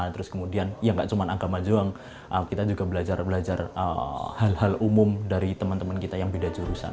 terus kemudian ya gak cuma agama doang kita juga belajar belajar hal hal umum dari teman teman kita yang beda jurusan